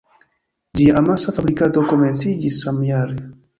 Ĝia amasa fabrikado komenciĝis samjare.